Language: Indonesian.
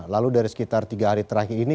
lalu dari sekitar tiga hari terakhir ini